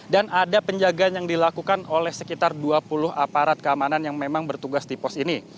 dan ada penjagaan yang dilakukan oleh sekitar dua puluh aparat keamanan yang memang bertugas tipos ini